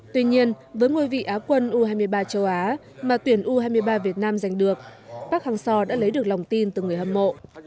tuy nhiên với ngôi vị á quân u hai mươi ba châu á mà tuyển u hai mươi ba việt nam giành được park hang seo đã lấy được lòng tin từ người hâm mộ